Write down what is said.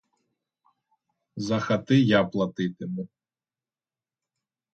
За хати я платитиму.